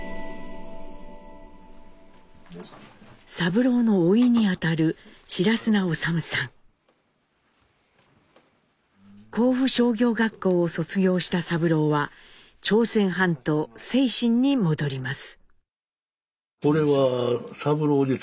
三郎のおいにあたる甲府商業学校を卒業した三郎は朝鮮半島清津に戻ります。